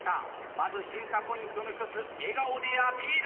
まず、審査ポイントの１つ笑顔でアピール。